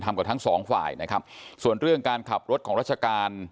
กับทั้งสองฝ่ายนะครับส่วนเรื่องการขับรถของราชการ